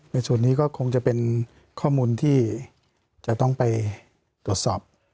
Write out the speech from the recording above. ในส่วนนี้ก็คงจะเป็นข้อมูลที่จะต้องไปตรวจสอบ